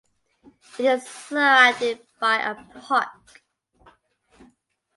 It is surrounded by a park.